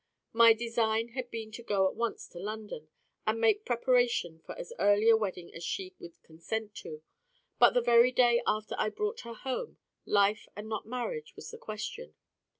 My design had been to go at once to London and make preparation for as early a wedding as she would consent to; but the very day after I brought her home, life and not marriage was the question.